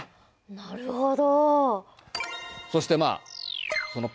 なるほど。